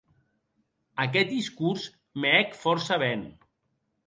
Aqueth discors me hec fòrça ben.